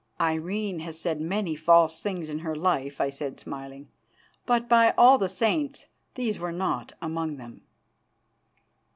"Irene has said many false things in her life," I said, smiling, "but by all the Saints these were not among them."